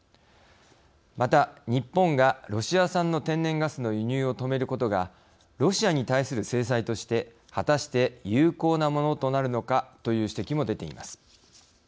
また、日本がロシア産の天然ガスの輸入を止めることがロシアに対する制裁として果たして有効なものとなるのかという指摘も出ています。